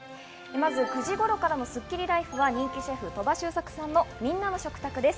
まず９時頃からのスッキリＬＩＦＥは人気シェフ鳥羽周作さんのみんなの食卓です。